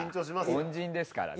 恩人ですからね。